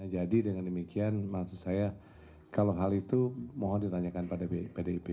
jadi dengan demikian maksud saya kalau hal itu mohon ditanyakan pada bdip